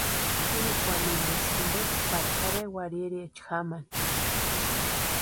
Churikwamintusï jinteeti pari tʼarhe warhiriecha jamani.